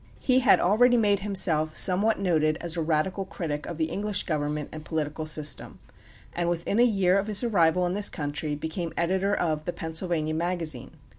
He had already made himself somewhat noted as a radical critic of the English government and political system, and within a year of his arrival in this country became editor of the Pennsylvania Magazine.